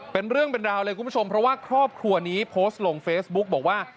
เป็นเรื่องเป็นราวเลยคุณผู้ชมเพราะว่าครอบครัวนี้โพสต์ลงเฟซบุ๊กบอกว่า